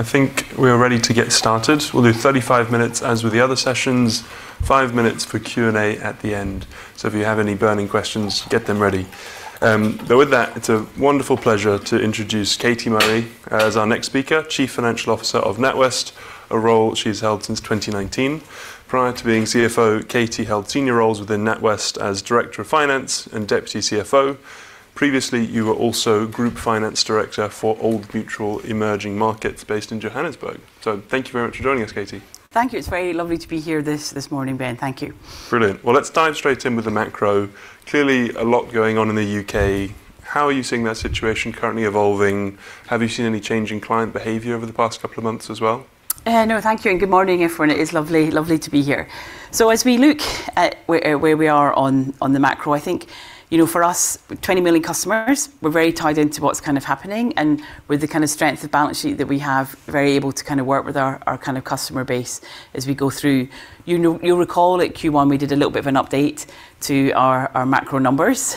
I think we are ready to get started. We'll do 35 minutes as with the other sessions, five minutes for Q and A at the end. If you have any burning questions, get them ready. With that, it's a wonderful pleasure to introduce Katie Murray as our next speaker, Chief Financial Officer of NatWest, a role she's held since 2019. Prior to being CFO, Katie held senior roles within NatWest as Director of Finance and Deputy CFO. Previously, you were also Group Finance Director for Old Mutual Emerging Markets based in Johannesburg. Thank you very much for joining us, Katie. Thank you. It's very lovely to be here this morning, Ben. Thank you. Brilliant. Well, let's dive straight in with the macro. Clearly a lot going on in the U.K. How are you seeing that situation currently evolving? Have you seen any change in client behavior over the past couple of months as well? No. Thank you and good morning, everyone. It is lovely to be here. As we look at where we are on the macro, I think, for us, with 20 million customers, we're very tied into what's kind of happening, and with the kind of strength of balance sheet that we have, very able to work with our customer base as we go through. You'll recall at Q1, we did a little bit of an update to our macro numbers.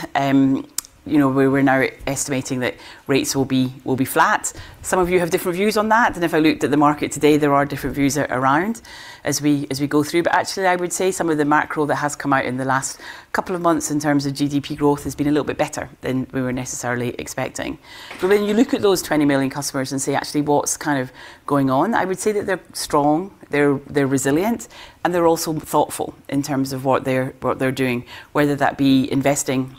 We're now estimating that rates will be flat. Some of you have different views on that, and if I looked at the market today, there are different views around as we go through. Actually, I would say some of the macro that has come out in the last couple of months in terms of GDP growth has been a little bit better than we were necessarily expecting. When you look at those 20 million customers and see actually what's kind of going on, I would say that they're strong, they're resilient, and they're also thoughtful in terms of what they're doing, whether that be investing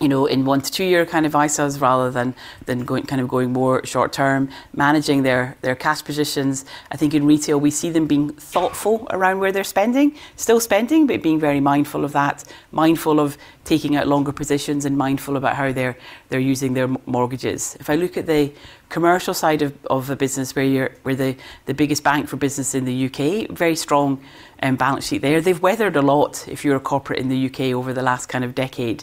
in one to two year kind of ISAs rather than going more short term, managing their cash positions. I think in retail, we see them being thoughtful around where they're spending. Still spending, but being very mindful of that, mindful of taking out longer positions, and mindful about how they're using their mortgages. If I look at the commercial side of the business where the biggest bank for business in the U.K., very strong balance sheet there. They've weathered a lot if you're a corporate in the U.K. over the last kind of decade.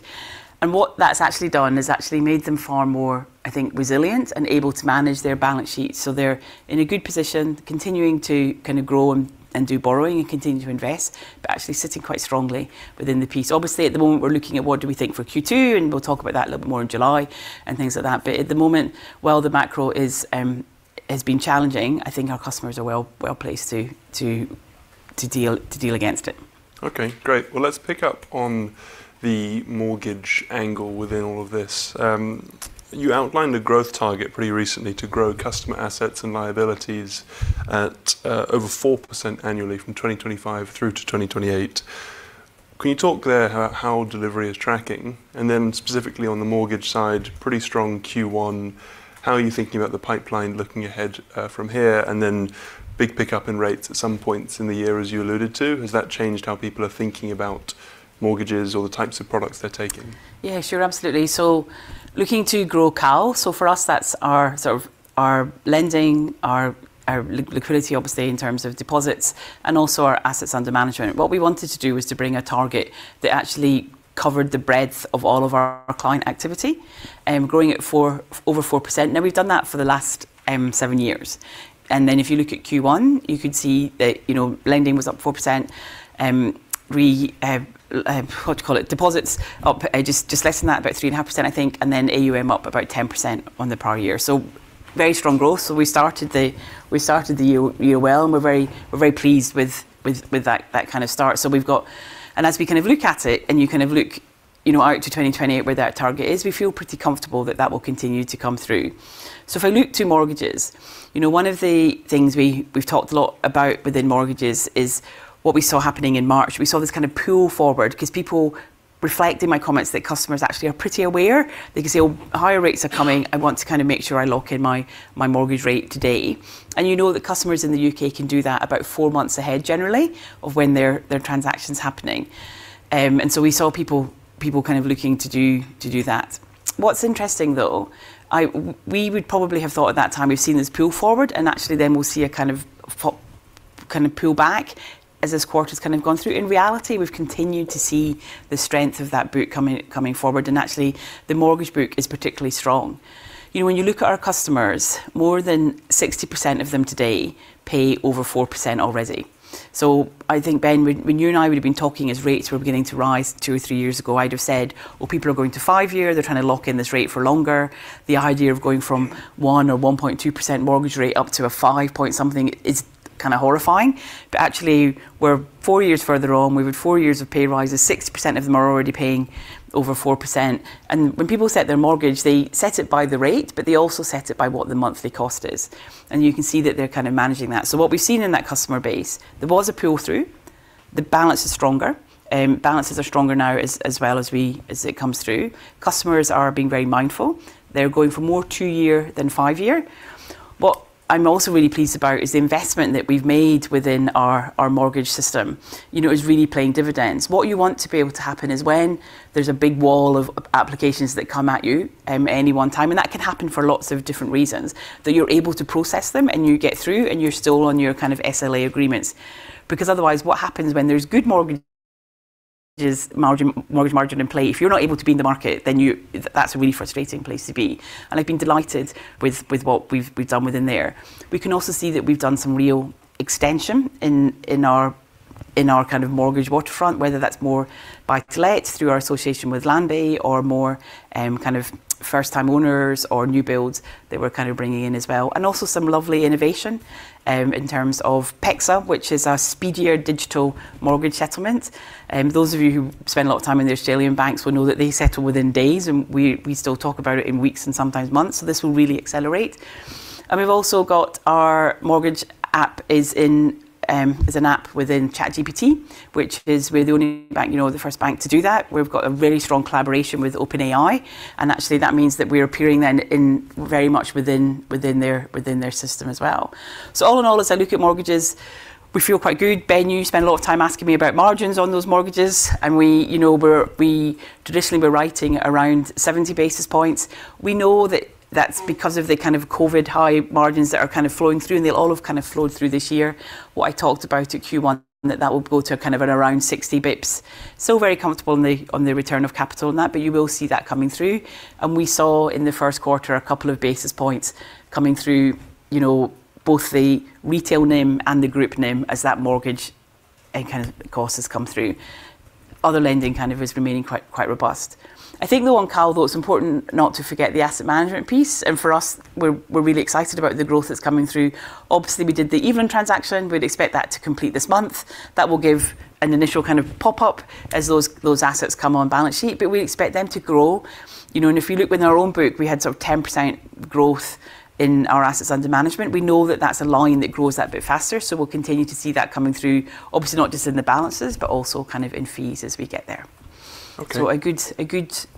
What that's actually done is actually made them far more, I think, resilient and able to manage their balance sheet so they're in a good position, continuing to kind of grow and do borrowing and continue to invest, but actually sitting quite strongly within the piece. Obviously, at the moment, we're looking at what do we think for Q2, and we'll talk about that a little bit more in July and things like that. At the moment, while the macro has been challenging, I think our customers are well-placed to deal against it. Okay, great. Well, let's pick up on the mortgage angle within all of this. You outlined a growth target pretty recently to grow customer assets and liabilities at over 4% annually from 2025 through to 2028. Can you talk there how delivery is tracking? Specifically on the mortgage side, pretty strong Q1. How are you thinking about the pipeline looking ahead from here? Big pickup in rates at some points in the year, as you alluded to. Has that changed how people are thinking about mortgages or the types of products they're taking? Yeah, sure. Absolutely. Looking to grow CAL. For us, that's our sort of our lending, our liquidity, obviously, in terms of deposits, and also our assets under management. What we wanted to do was to bring a target that actually covered the breadth of all of our client activity, growing at over 4%. Now, we've done that for the last seven years. If you look at Q1, you could see that lending was up 4%. What do you call it? Deposits up just less than that, about 3.5%, I think, and AUM up about 10% on the prior year. Very strong growth. We started the year well, and we're very pleased with that kind of start. As we kind of look at it and you kind of look out to 2028 where that target is, we feel pretty comfortable that that will continue to come through. If I look to mortgages, one of the things we've talked a lot about within mortgages is what we saw happening in March. We saw this kind of pull forward because people reflect in my comments that customers actually are pretty aware. They can see, oh, higher rates are coming. I want to kind of make sure I lock in my mortgage rate today. You know that customers in the U.K. can do that about four months ahead generally of when their transaction's happening. We saw people kind of looking to do that. What's interesting, we would probably have thought at that time we've seen this pull forward and actually then we'll see a kind of pull back as this quarter's kind of gone through. In reality, we've continued to see the strength of that book coming forward, and actually, the mortgage book is particularly strong. When you look at our customers, more than 60% of them today pay over 4% already. I think, Ben, when you and I would've been talking as rates were beginning to rise two or three years ago, I'd have said, "Well, people are going to five-year." They're trying to lock in this rate for longer. The idea of going from 1% or 1.2% mortgage rate up to a five point something is kind of horrifying. Actually, we're four years further on. We've had four years of pay rises. 60% of them are already paying over 4%. When people set their mortgage, they set it by the rate, but they also set it by what the monthly cost is. You can see that they're kind of managing that. What we've seen in that customer base, there was a pull-through. The balance is stronger. Balances are stronger now as well as it comes through. Customers are being very mindful. They're going for more two-year than five-year. What I'm also really pleased about is the investment that we've made within our mortgage system is really paying dividends. What you want to be able to happen is when there's a big wall of applications that come at you at any one time, and that can happen for lots of different reasons, that you're able to process them and you get through and you're still on your kind of SLA agreements. Otherwise, what happens when there's good mortgage margin in play, if you're not able to be in the market, then that's a really frustrating place to be. I've been delighted with what we've done within there. We can also see that we've done some real extension in our kind of mortgage waterfront, whether that's more buy-to-lets through our association with Landbay or more kind of first-time owners or new builds that we're kind of bringing in as well. Also some lovely innovation in terms of PEXA, which is our speedier digital mortgage settlement. Those of you who spend a lot of time in the Australian banks will know that they settle within days, and we still talk about it in weeks and sometimes months. This will really accelerate. We've also got our mortgage app is an app within ChatGPT, which is we're the only bank, the first bank to do that. We've got a very strong collaboration with OpenAI, and actually that means that we are appearing then very much within their system as well. All in all, as I look at mortgages, we feel quite good. Ben, you spend a lot of time asking me about margins on those mortgages, and traditionally we're writing around 70 basis points. We know that that's because of the kind of COVID high margins that are kind of flowing through, and they all have kind of flowed through this year. What I talked about at Q1, that will go to kind of at around 60 basis points. Still very comfortable on the return of capital on that, you will see that coming through. We saw in the first quarter a couple of basis points coming through both the retail NIM and the group NIM as that mortgage kind of cost has come through. Other lending kind of is remaining quite robust. I think, though, on CAL, though, it's important not to forget the asset management piece, for us, we're really excited about the growth that's coming through. Obviously, we did the Evelyn transaction. We'd expect that to complete this month. That will give an initial kind of pop-up as those assets come on balance sheet, we expect them to grow. If we look within our own book, we had sort of 10% growth in our assets under management. We know that that's a line that grows that bit faster, we'll continue to see that coming through, obviously not just in the balances, but also kind of in fees as we get there. Okay.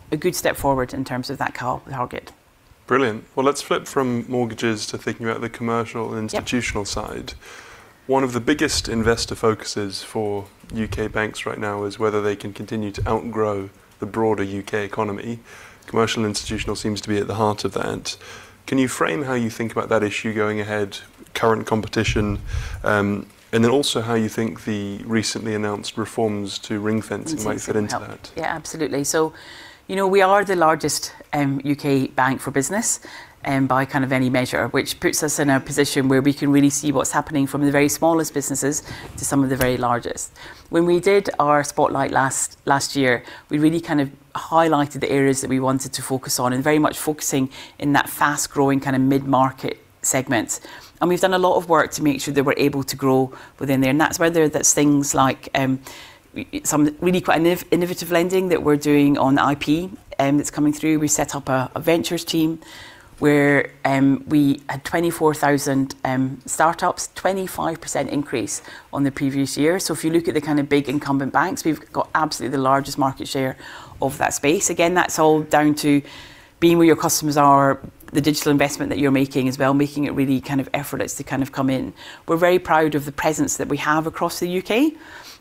A good step forward in terms of that target. Brilliant. Well, let's flip from mortgages to thinking about the commercial and institutional side. Yep. One of the biggest investor focuses for U.K. banks right now is whether they can continue to outgrow the broader U.K. economy. Commercial institutional seems to be at the heart of that. Can you frame how you think about that issue going ahead, current competition, and then also how you think the recently announced reforms to ring-fencing might fit into that? Absolutely. We are the largest U.K. bank for business by kind of any measure, which puts us in a position where we can really see what's happening from the very smallest businesses to some of the very largest. When we did our spotlight last year, we really kind of highlighted the areas that we wanted to focus on and very much focusing in that fast-growing kind of mid-market segment. We've done a lot of work to make sure that we're able to grow within there. That's whether that's things like some really quite innovative lending that we're doing on IP that's coming through. We set up a ventures team where we had 24,000 startups, 25% increase on the previous year. If you look at the kind of big incumbent banks, we've got absolutely the largest market share of that space. That's all down to being where your customers are, the digital investment that you're making as well, making it really kind of effortless to kind of come in. We're very proud of the presence that we have across the U.K.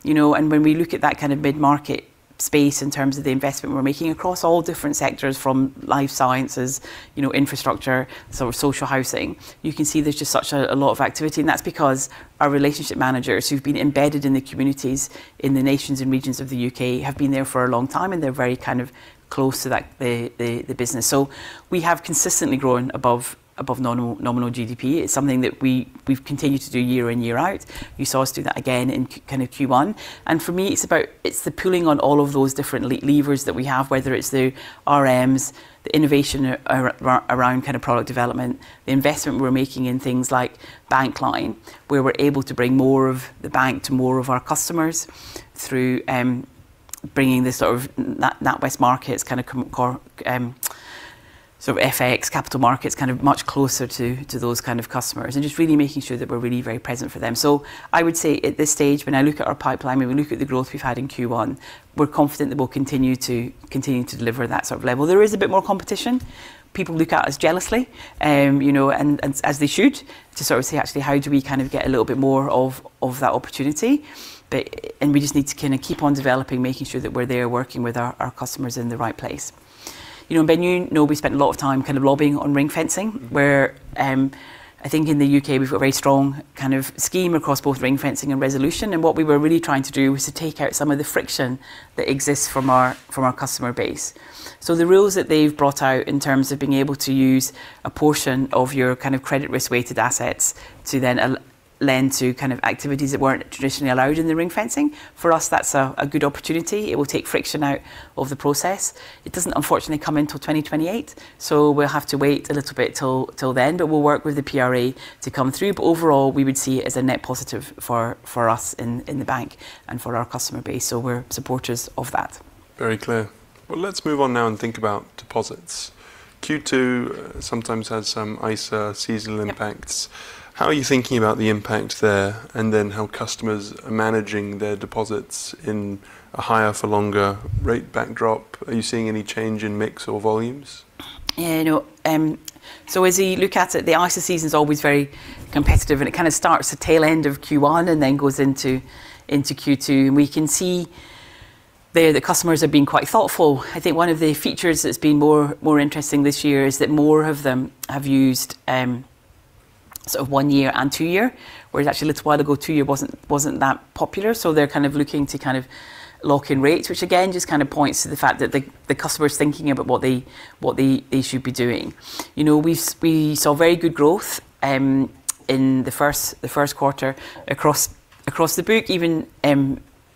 When we look at that kind of mid-market space in terms of the investment we're making across all different sectors from life sciences, infrastructure, social housing, you can see there's just such a lot of activity, and that's because our relationship managers who've been embedded in the communities, in the nations and regions of the U.K. have been there for a long time, and they're very kind of close to the business. We have consistently grown above nominal GDP. It's something that we've continued to do year in, year out. You saw us do that again in kind of Q1. For me, it's the pulling on all of those different levers that we have, whether it's the RMs, the innovation around kind of product development, the investment we're making in things like Bankline, where we're able to bring more of the bank to more of our customers through bringing the sort of NatWest Markets kind of core, sort of FX capital markets kind of much closer to those kind of customers and just really making sure that we're really very present for them. I would say at this stage, when I look at our pipeline, when we look at the growth we've had in Q1, we're confident that we'll continue to deliver that sort of level. There is a bit more competition. People look at us jealously, and as they should to sort of say, actually, how do we kind of get a little bit more of that opportunity? We just need to kind of keep on developing, making sure that we're there working with our customers in the right place. Ben, you know we spent a lot of time kind of lobbying on ring-fencing, where I think in the U.K. we've got a very strong kind of scheme across both ring-fencing and resolution. What we were really trying to do was to take out some of the friction that exists from our customer base. The rules that they've brought out in terms of being able to use a portion of your kind of credit risk-weighted assets to then lend to kind of activities that weren't traditionally allowed in the ring-fencing, for us, that's a good opportunity. It will take friction out of the process. It doesn't unfortunately come until 2028, so we'll have to wait a little bit till then, but we'll work with the PRA to come through. Overall, we would see it as a net positive for us in the bank and for our customer base. We're supporters of that. Very clear. Let's move on now and think about deposits. Q2 sometimes has some ISA seasonal impacts. Yep. How are you thinking about the impact there, and then how customers are managing their deposits in a higher for longer rate backdrop? Are you seeing any change in mix or volumes? As you look at it, the ISA season's always very competitive, and it kind of starts the tail end of Q1 and then goes into Q2, and we can see there the customers have been quite thoughtful. I think one of the features that's been more interesting this year is that more of them have used sort of one year and two year, whereas actually a little while ago, two year wasn't that popular. They're kind of looking to kind of lock in rates, which again, just kind of points to the fact that the customer's thinking about what they should be doing. We saw very good growth. In the first quarter across the group, even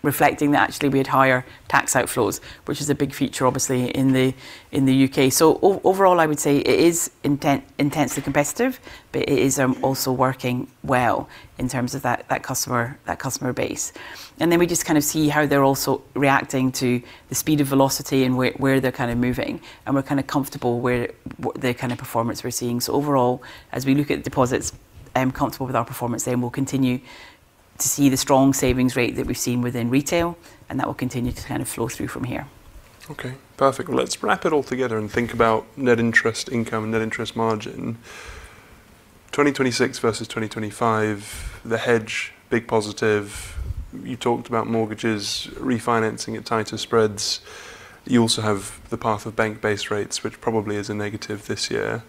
reflecting that actually we had higher tax outflows, which is a big feature, obviously, in the U.K. Overall, I would say it is intensely competitive, but it is also working well in terms of that customer base. We just kind of see how they're also reacting to the speed of velocity and where they're kind of moving, and we're kind of comfortable with the kind of performance we're seeing. Overall, as we look at deposits, I am comfortable with our performance there, and we'll continue to see the strong savings rate that we've seen within retail, and that will continue to kind of flow through from here. Okay, perfect. Well, let's wrap it all together and think about net interest income and net interest margin. 2026 versus 2025, the hedge, big positive. You talked about mortgages, refinancing at tighter spreads. You also have the path of bank base rates, which probably is a negative this year.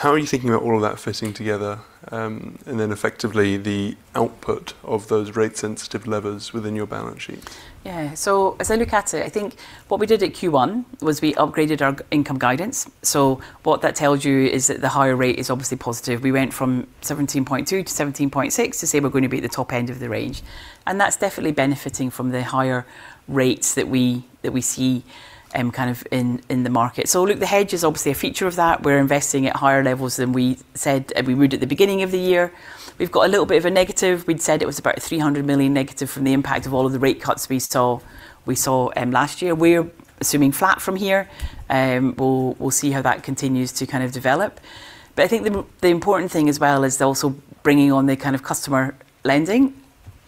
How are you thinking about all of that fitting together, and then effectively the output of those rate-sensitive levers within your balance sheet? Yeah. As I look at it, I think what we did at Q1 was we upgraded our income guidance. What that tells you is that the higher rate is obviously positive. We went from 17.2 to 17.6 to say we're going to be at the top end of the range, and that's definitely benefiting from the higher rates that we see kind of in the market. Look, the hedge is obviously a feature of that. We're investing at higher levels than we said we would at the beginning of the year. We've got a little bit of a negative. We'd said it was about 300 million negative from the impact of all of the rate cuts we saw last year. We're assuming flat from here. We'll see how that continues to kind of develop. I think the important thing as well is they're also bringing on the kind of customer lending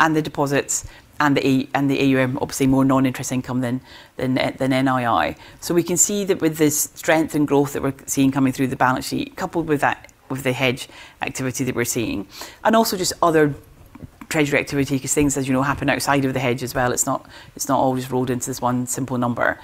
and the deposits and the AUM, obviously more non-interest income than NII. We can see that with this strength and growth that we're seeing coming through the balance sheet, coupled with the hedge activity that we're seeing. Also just other treasury activity, because things, as you know, happen outside of the hedge as well. It's not always rolled into this one simple number.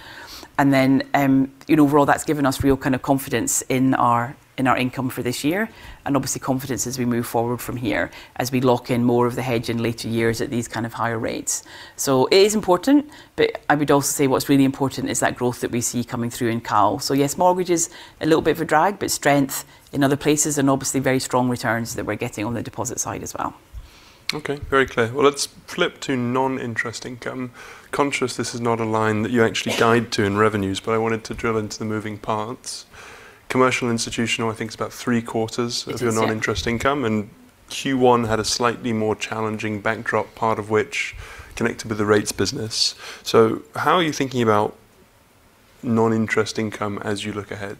Overall, that's given us real kind of confidence in our income for this year, and obviously confidence as we move forward from here, as we lock in more of the hedge in later years at these kind of higher rates. It is important, but I would also say what's really important is that growth that we see coming through in CAL. Yes, mortgage is a little bit of a drag, but strength in other places and obviously very strong returns that we're getting on the deposit side as well. Okay, very clear. Well, let's flip to non-interest income. Conscious this is not a line that you actually guide to in revenues, but I wanted to drill into the moving parts. Commercial institutional, I think, is about three quarters— I think so. Of your non-interest income, Q1 had a slightly more challenging backdrop, part of which connected with the rates business. How are you thinking about non-interest income as you look ahead?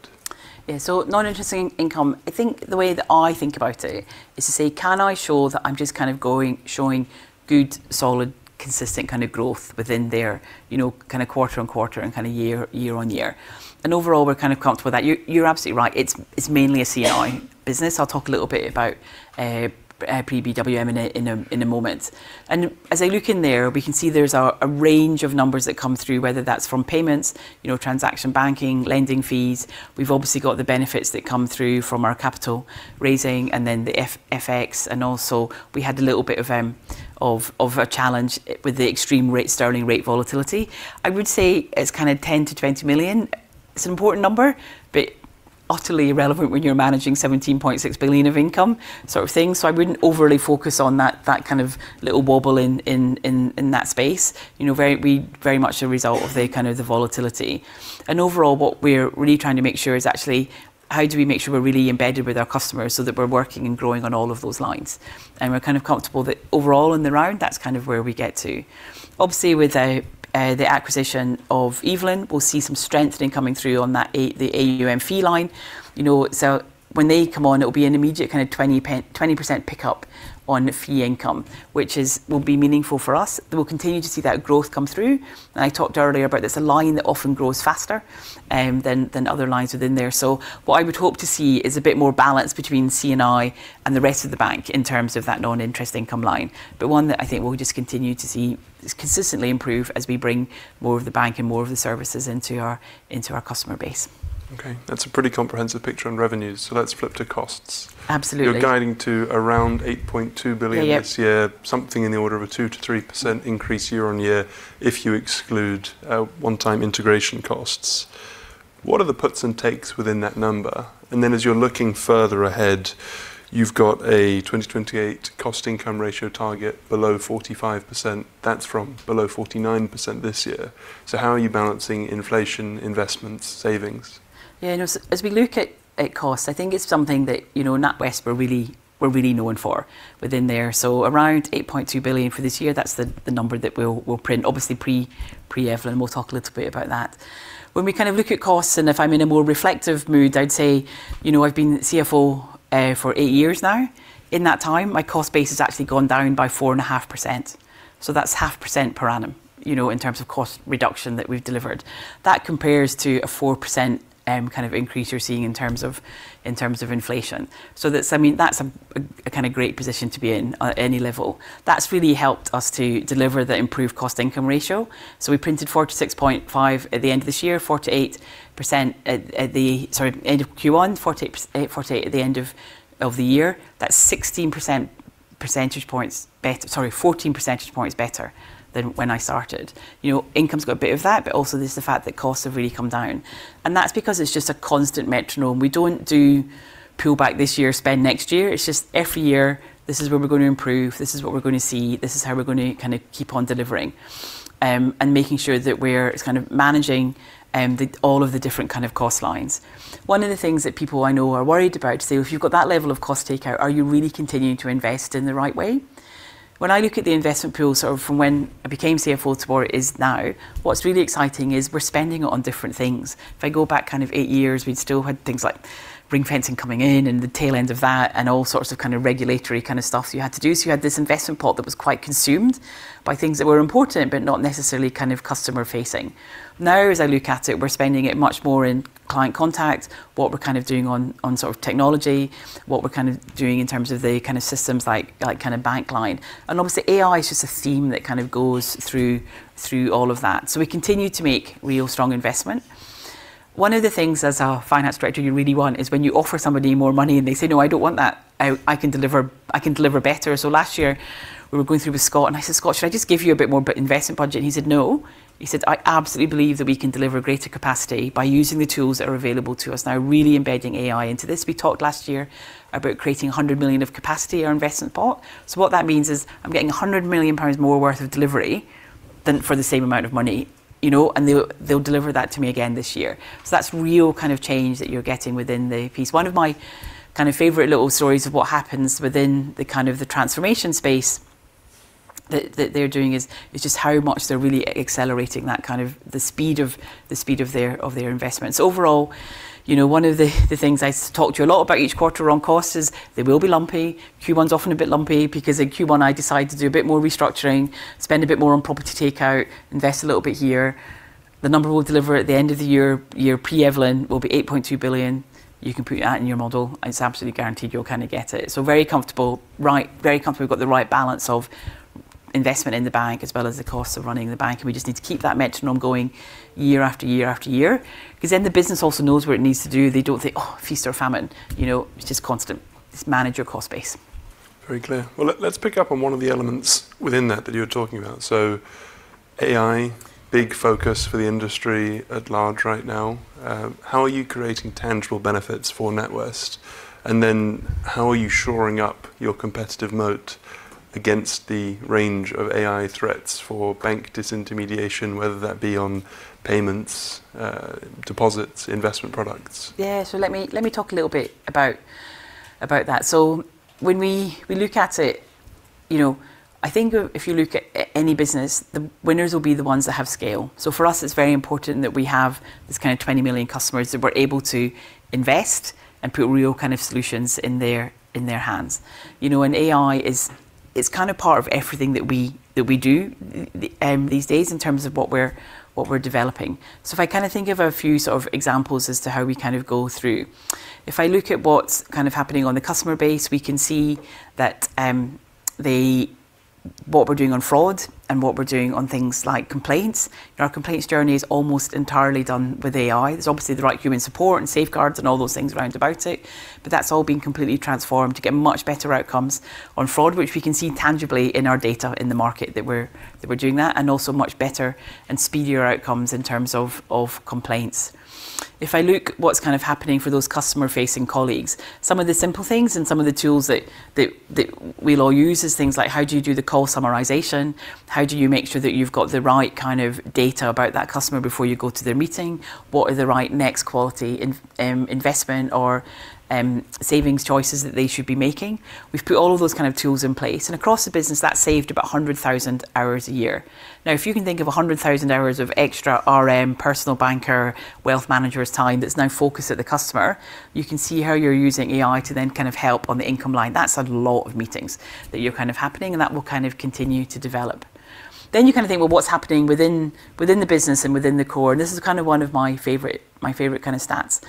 Yeah. Non-interest income, I think the way that I think about it is to say, can I show that I'm just kind of showing good, solid, consistent kind of growth within their quarter-on-quarter and year-on-year. Overall, we're kind of comfortable that. You're absolutely right. It's mainly a C&I business. I'll talk a little bit about PBWM in a moment. As I look in there, we can see there's a range of numbers that come through, whether that's from payments, transaction banking, lending fees. We've obviously got the benefits that come through from our capital raising and then the FX, and also we had a little bit of a challenge with the extreme Sterling rate volatility. I would say it's kind of 10 million-20 million. It's an important number, but utterly irrelevant when you're managing 17.6 billion of income sort of thing. I wouldn't overly focus on that kind of little wobble in that space. Very much a result of the kind of the volatility. Overall, what we're really trying to make sure is actually, how do we make sure we're really embedded with our customers so that we're working and growing on all of those lines? We're kind of comfortable that overall in their own, that's kind of where we get to. Obviously, with the acquisition of Evelyn, we'll see some strengthening coming through on the AUM fee line. When they come on, it'll be an immediate kind of 20% pickup on fee income, which will be meaningful for us. We'll continue to see that growth come through. I talked earlier about this, a line that often grows faster than other lines within there. What I would hope to see is a bit more balance between C&I and the rest of the bank in terms of that non-interest income line. One that I think we'll just continue to see consistently improve as we bring more of the bank and more of the services into our customer base. Okay. That's a pretty comprehensive picture on revenues. Let's flip to costs. Absolutely. You're guiding to around 8.2 billion this year. Yeah. Something in the order of a 2%-3% increase year-on-year if you exclude one-time integration costs. What are the puts and takes within that number? Then as you're looking further ahead, you've got a 2028 cost income ratio target below 45%. That's from below 49% this year. How are you balancing inflation, investments, savings? As we look at costs, I think it's something that NatWest we're really known for within there. Around 8.2 billion for this year, that's the number that we'll print. Obviously, pre-Evelyn, we'll talk a little bit about that. When we kind of look at costs, if I'm in a more reflective mood, I'd say, I've been CFO for eight years now. In that time, my cost base has actually gone down by 4.5%. That's 0.5% per annum, in terms of cost reduction that we've delivered. That compares to a 4% kind of increase you're seeing in terms of inflation. That's a kind of great position to be in at any level. That's really helped us to deliver the improved cost-income ratio. We printed 46.5% at the end of this year, 48% at the, sorry, end of Q1, 48% at the end of the year. That's 16 percentage points better, sorry, 14 percentage points better than when I started. Income's got a bit of that. Also, there's the fact that costs have really come down, and that's because it's just a constant metronome. We don't do pull back this year, spend next year. It's just every year, this is where we're going to improve. This is what we're going to see. This is how we're going to kind of keep on delivering, and making sure that we're kind of managing all of the different kind of cost lines. One of the things that people I know are worried about, say, "Well, if you've got that level of cost takeout, are you really continuing to invest in the right way?" When I look at the investment pool, sort of from when I became CFO to where it is now, what's really exciting is we're spending it on different things. If I go back kind of eight years, we'd still had things like ring-fencing coming in and the tail end of that, and all sorts of regulatory kind of stuff you had to do. You had this investment pot that was quite consumed by things that were important, but not necessarily kind of customer-facing. Now, as I look at it, we're spending it much more in client contact, what we're kind of doing on sort of technology, what we're kind of doing in terms of the kind of systems like kind of Bankline. Obviously, AI is just a theme that kind of goes through all of that. We continue to make real strong investment. One of the things, as a finance director, you really want is when you offer somebody more money, and they say, "No, I don't want that. I can deliver better." Last year we were going through with Scott, and I said, "Scott, should I just give you a bit more investment budget?" He said, "No." He said, "I absolutely believe that we can deliver greater capacity by using the tools that are available to us now," really embedding AI into this. We talked last year about creating 100 million of capacity in our investment pot. What that means is I'm getting 100 million pounds more worth of delivery than for the same amount of money, and they'll deliver that to me again this year. That's real kind of change that you're getting within the piece. One of my kind of favorite little stories of what happens within the kind of the transformation space that they're doing is just how much they're really accelerating the speed of their investments. Overall, one of the things I talk to you a lot about each quarter on cost is they will be lumpy. Q1's often a bit lumpy because in Q1, I decide to do a bit more restructuring, spend a bit more on property takeout, invest a little bit here. The number we'll deliver at the end of the year, pre-Evelyn, will be 8.2 billion. You can put that in your model, it's absolutely guaranteed you'll kind of get it. Very comfortable. Very comfortable we've got the right balance of investment in the bank as well as the cost of running the bank, we just need to keep that metronome going year after year after year, because then the business also knows what it needs to do. They don't think, oh, feast or famine. It's just constant. Just manage your cost base. Very clear. Let's pick up on one of the elements within that you were talking about. AI, big focus for the industry at large right now. How are you creating tangible benefits for NatWest? How are you shoring up your competitive moat against the range of AI threats for bank disintermediation, whether that be on payments, deposits, investment products? Yeah. Let me talk a little bit about that. When we look at it, I think if you look at any business, the winners will be the ones that have scale. For us, it's very important that we have this kind of 20 million customers that we're able to invest and put real kind of solutions in their hands. AI is kind of part of everything that we do these days in terms of what we're developing. If I kind of think of a few sort of examples as to how we kind of go through. If I look at what's kind of happening on the customer base, we can see what we're doing on fraud and what we're doing on things like complaints. Our complaints journey is almost entirely done with AI. There's obviously the right human support and safeguards and all those things round about it, but that's all been completely transformed to get much better outcomes on fraud, which we can see tangibly in our data in the market that we're doing that, and also much better and speedier outcomes in terms of complaints. If I look what's kind of happening for those customer-facing colleagues, some of the simple things and some of the tools that we'll all use is things like how do you do the call summarization? How do you make sure that you've got the right kind of data about that customer before you go to their meeting? What are the right next quality investment or savings choices that they should be making? We've put all of those kind of tools in place, and across the business, that saved about 100,000 hours a year. If you can think of 100,000 hours of extra RM, personal banker, wealth manager's time that's now focused at the customer, you can see how you're using AI to then kind of help on the income line. That's a lot of meetings that you're kind of happening, and that will kind of continue to develop. You kind of think, well, what's happening within the business and within the core? This is kind of one of my favorite kind of stats.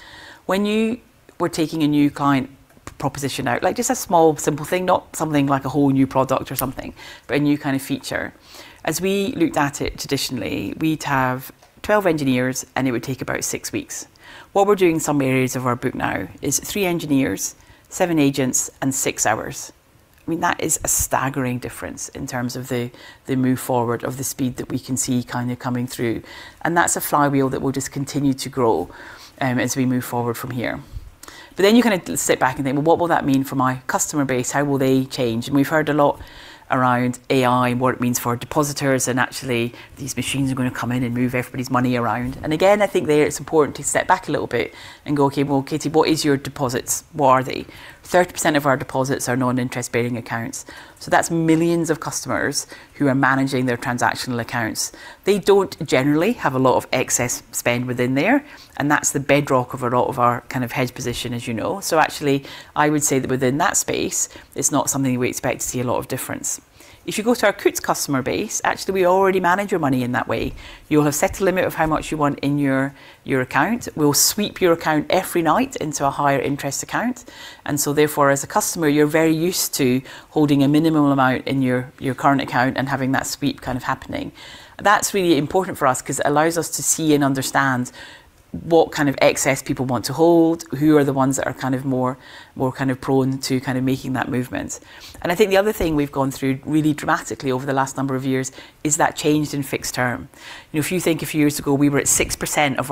When you were taking a new kind of proposition out, like just a small, simple thing, not something like a whole new product or something, but a new kind of feature. As we looked at it traditionally, we'd have 12 engineers, and it would take about six weeks. What we're doing in some areas of our book now is three engineers, seven agents, and six hours. I mean, that is a staggering difference in terms of the move forward of the speed that we can see kind of coming through, and that's a flywheel that will just continue to grow as we move forward from here. Then you kind of sit back and think, well, what will that mean for my customer base? How will they change? We've heard a lot around AI and what it means for depositors, actually these machines are going to come in and move everybody's money around. Again, I think there it's important to step back a little bit and go, okay, well, Katie, what is your deposits? What are they? 30% of our deposits are non-interest-bearing accounts. That's millions of customers who are managing their transactional accounts. They don't generally have a lot of excess spend within there, and that's the bedrock of a lot of our kind of hedge position, as you know. Actually, I would say that within that space, it's not something we expect to see a lot of difference. If you go to our Coutts customer base, actually, we already manage your money in that way. You'll have set a limit of how much you want in your account. We'll sweep your account every night into a higher interest account. Therefore, as a customer, you're very used to holding a minimal amount in your current account and having that sweep kind of happening. That's really important for us because it allows us to see and understand what kind of excess people want to hold, who are the ones that are more prone to making that movement. I think the other thing we've gone through really dramatically over the last number of years is that change in fixed term. If you think a few years ago, we were at 6% of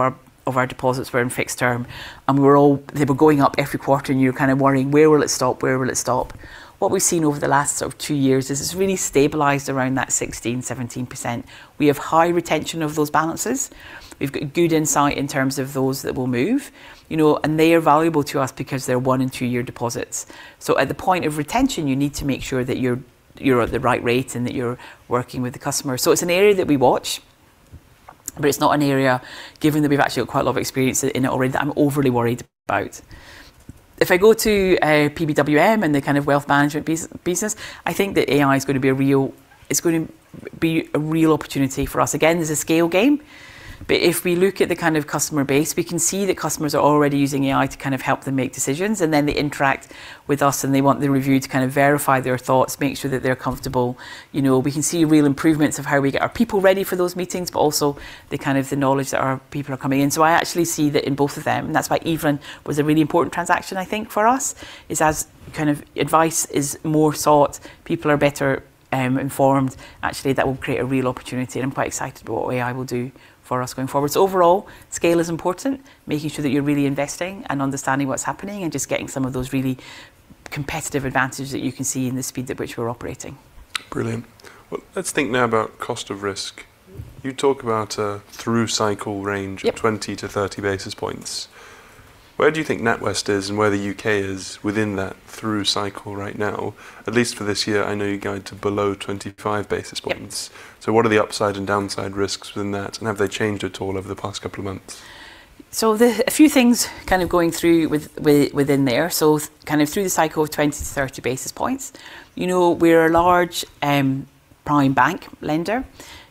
our deposits were in fixed term, and they were going up every quarter, and you were kind of worrying, "Where will it stop? Where will it stop?" What we've seen over the last sort of two years is it's really stabilized around that 16%, 17%. We have high retention of those balances. We've got good insight in terms of those that will move. They are valuable to us because they're one and two year deposits. At the point of retention, you need to make sure that you're at the right rate and that you're working with the customer. It's an area that we watch, but it's not an area, given that we've actually got quite a lot of experience in it already, that I'm overly worried about. If I go to PBWM and the kind of wealth management business, I think that AI is going to be a real opportunity for us. Again, there's a scale game, but if we look at the kind of customer base, we can see that customers are already using AI to help them make decisions. They interact with us, and they want the review to kind of verify their thoughts, make sure that they're comfortable. We can see real improvements of how we get our people ready for those meetings, but also the kind of the knowledge that our people are coming in. I actually see that in both of them, and that's why Evelyn was a really important transaction, I think, for us, is as kind of advice is more sought, people are better informed. Actually, that will create a real opportunity, and I'm quite excited what AI will do for us going forward. Overall, scale is important, making sure that you're really investing and understanding what's happening and just getting some of those really competitive advantages that you can see in the speed at which we're operating. Brilliant. Well, let's think now about cost of risk. You talk about a through cycle range— Yep Of 20-30 basis points. Where do you think NatWest is and where the U.K. is within that through cycle right now? At least for this year, I know you're guided to below 25 basis points. Yep. What are the upside and downside risks within that, and have they changed at all over the past couple of months? A few things kind of going through within there. Kind of through the cycle of 20 to 30 basis points. We're a large prime bank lender.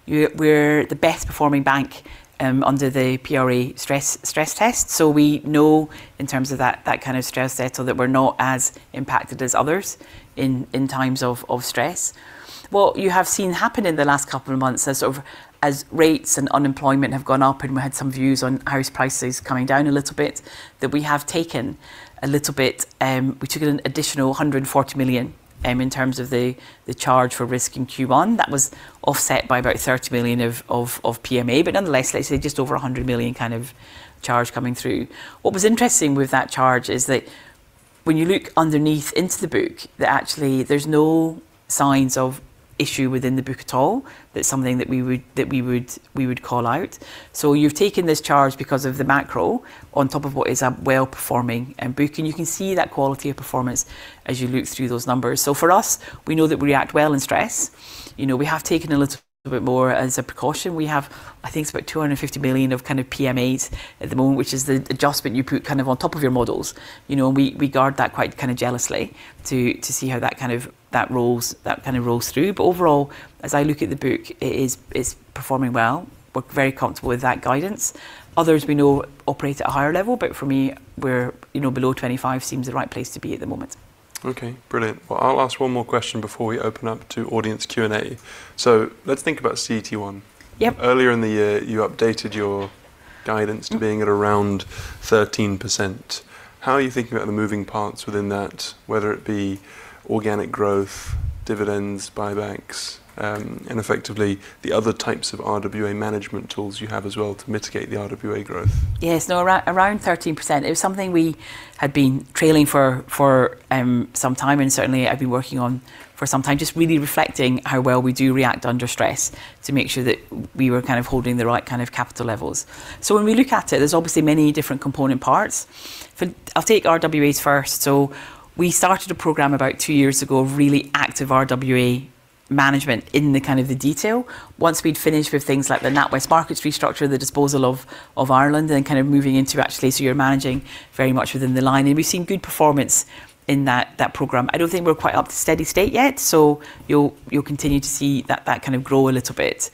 We're the best performing bank under the PRA stress test. We know in terms of that kind of stress there so that we're not as impacted as others in times of stress. What you have seen happen in the last couple of months as rates and unemployment have gone up and we had some views on house prices coming down a little bit, that we have taken a little bit, we took an additional 140 million, in terms of the charge for risk in Q1. That was offset by about 30 million of PMA. Nonetheless, let's say just over 100 million kind of charge coming through. What was interesting with that charge is that when you look underneath into the book, that actually there's no signs of issue within the book at all. That's something that we would call out. You've taken this charge because of the macro on top of what is a well-performing book, and you can see that quality of performance as you look through those numbers. We know that we react well in stress. We have taken a little bit more as a precaution. We have, I think, it's about 250 million of kind of PMAs at the moment, which is the adjustment you put kind of on top of your models. We guard that quite kind of jealously to see how that kind of rolls through. Overall, as I look at the book, it is performing well. We're very comfortable with that guidance. Others we know operate at a higher level, but for me, below 25 seems the right place to be at the moment. Okay. Brilliant. Well, I'll ask one more question before we open up to audience Q and A. Let's think about CET1. Yep. Earlier in the year, you updated your guidance to being at around 13%. How are you thinking about the moving parts within that, whether it be organic growth, dividends, buybacks, and effectively the other types of RWA management tools you have as well to mitigate the RWA growth? Yes, around 13%. It was something we had been trailing for some time, and certainly I've been working on for some time, just really reflecting how well we do react under stress to make sure that we were kind of holding the right kind of capital levels. When we look at it, there's obviously many different component parts. I'll take RWAs first. We started a program about two years ago of really active RWA management in the kind of the detail. Once we'd finished with things like the NatWest Markets restructure, the disposal of Ireland, and then kind of moving into actually so you're managing very much within the line. We've seen good performance in that program. I don't think we're quite up to steady state yet, so you'll continue to see that kind of grow a little bit.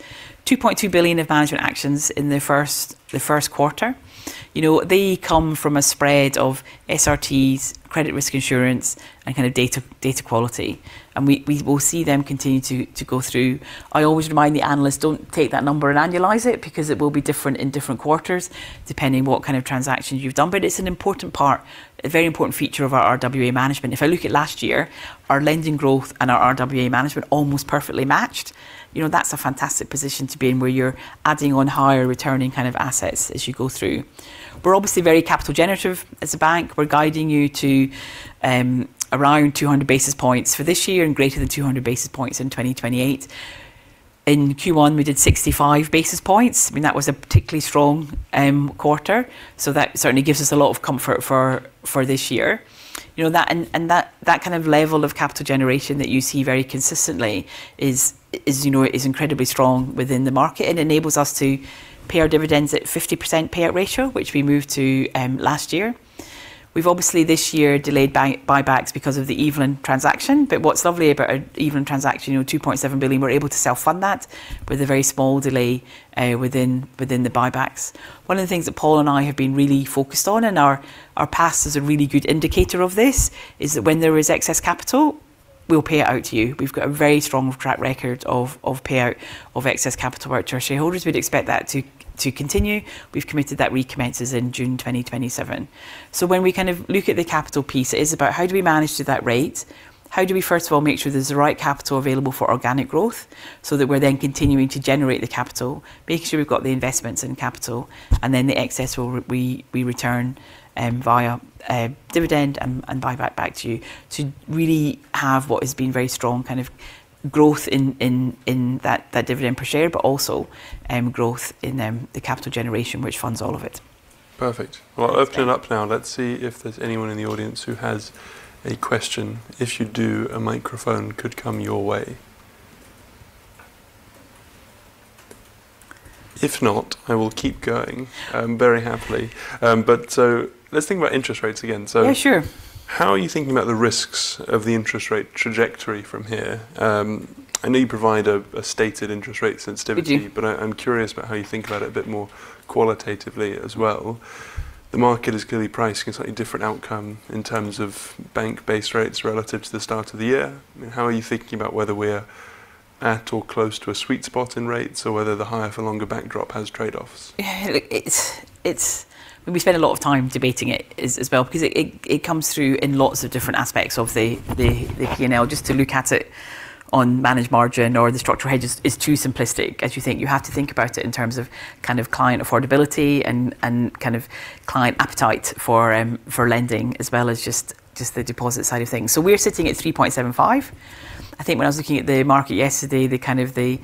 2.2 billion of management actions in the first quarter. They come from a spread of SRTs, credit risk insurance, and kind of data quality. We will see them continue to go through. I always remind the analysts, don't take that number and annualize it because it will be different in different quarters depending on what kind of transactions you've done. It's an important part, a very important feature of our RWA management. If I look at last year, our lending growth and our RWA management almost perfectly matched. That's a fantastic position to be in where you're adding on higher returning kind of assets as you go through. We're obviously very capital generative as a bank. We're guiding you to around 200 basis points for this year and greater than 200 basis points in 2028. In Q1, we did 65 basis points. I mean, that was a particularly strong quarter. That certainly gives us a lot of comfort for this year. That kind of level of capital generation that you see very consistently is incredibly strong within the market and enables us to pay our dividends at 50% payout ratio, which we moved to last year. We've obviously this year delayed buybacks because of the Evelyn transaction. What's lovely about an Evelyn transaction, 2.7 billion, we're able to self-fund that with a very small delay within the buybacks. One of the things that Paul and I have been really focused on, and our past is a really good indicator of this, is that when there is excess capital. We'll pay it out to you. We've got a very strong track record of payout of excess capital out to our shareholders. We'd expect that to continue. We've committed that recommences in June 2027. When we kind of look at the capital piece, it is about how do we manage to that rate? How do we, first of all, make sure there's the right capital available for organic growth so that we're then continuing to generate the capital, make sure we've got the investments and capital, and then the excess we return via dividend and buy back to you to really have what has been very strong kind of growth in that dividend per share, but also growth in the capital generation, which funds all of it. Perfect. Well, I'll open it up now. Let's see if there's anyone in the audience who has a question. If you do, a microphone could come your way. If not, I will keep going very happily. Let's think about interest rates again. Yeah, sure. How are you thinking about the risks of the interest rate trajectory from here? I know you provide a stated interest rate sensitivity- We do. I'm curious about how you think about it a bit more qualitatively as well. The market is clearly pricing a slightly different outcome in terms of bank base rates relative to the start of the year. How are you thinking about whether we're at or close to a sweet spot in rates or whether the higher for longer backdrop has trade-offs? We spend a lot of time debating it as well because it comes through in lots of different aspects of the P&L. Just to look at it on managed margin or the structural hedges is too simplistic as you think. You have to think about it in terms of kind of client affordability and kind of client appetite for lending, as well as just the deposit side of things. We're sitting at 3.75%. I think when I was looking at the market yesterday, the two-year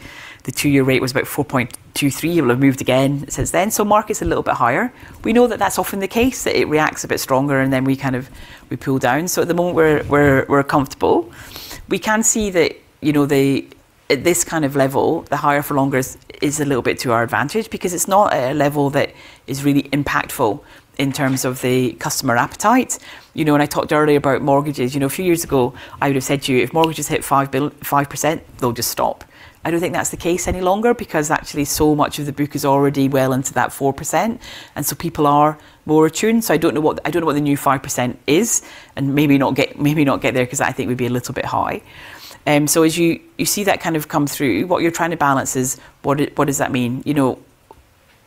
rate was about 4.23%. It'll have moved again since then. Market's a little bit higher. We know that that's often the case, that it reacts a bit stronger and then we kind of, we pull down. At the moment, we're comfortable. We can see that at this kind of level, the higher for longer is a little bit to our advantage because it's not at a level that is really impactful in terms of the customer appetite. When I talked earlier about mortgages, a few years ago, I would've said to you, if mortgages hit 5%, they'll just stop. I don't think that's the case any longer because actually, so much of the book is already well into that 4%, and so people are more attuned. I don't know what the new 5% is and maybe not get there because I think it would be a little bit high. As you see that kind of come through, what you're trying to balance is what does that mean?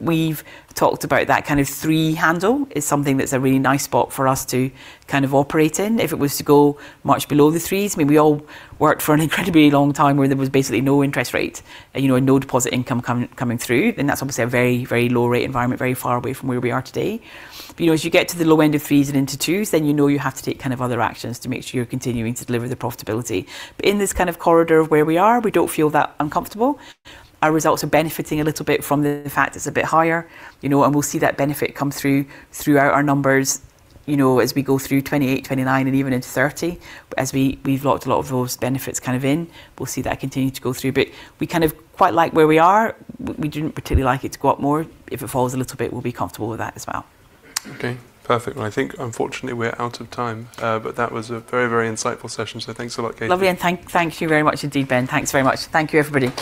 We've talked about that kind of three handle is something that's a really nice spot for us to kind of operate in. If it was to go much below the threes, I mean, we all worked for an incredibly long time where there was basically no interest rate, and no deposit income coming through, then that's obviously a very, very low rate environment, very far away from where we are today. As you get to the low end of threes and into twos, then you know you have to take kind of other actions to make sure you're continuing to deliver the profitability. In this kind of corridor of where we are, we don't feel that uncomfortable. Our results are benefiting a little bit from the fact it's a bit higher, and we'll see that benefit come through throughout our numbers as we go through 2028, 2029, and even into 2030. As we've locked a lot of those benefits kind of in, we'll see that continue to go through. We kind of quite like where we are. We didn't particularly like it to go up more. If it falls a little bit, we'll be comfortable with that as well. Okay. Perfect. Well, I think unfortunately we're out of time. That was a very, very insightful session, so thanks a lot, Katie. Lovely. Thank you very much indeed, Ben. Thanks very much. Thank you, everybody.